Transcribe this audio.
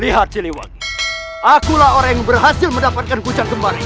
lihat ciliwag akulah orang yang berhasil mendapatkan hujan kembar itu